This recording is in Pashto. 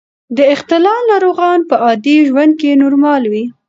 د اختلال ناروغان په عادي ژوند کې نورمال وي.